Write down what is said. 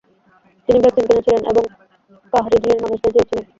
তিনি ভ্যাকসিন কিনেছিলেন এবং কাহরিজলির মানুষদের দিয়েছিলেন।